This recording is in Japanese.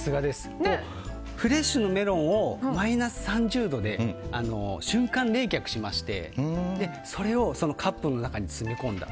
フレッシュなメロンをマイナス３０度で瞬間冷却しましてそれをカップの中に詰め込んだ。